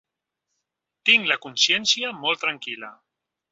Tinc la consciència molt tranquil·la.